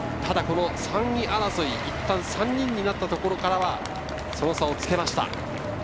いったん３人になったところからは差をつけました。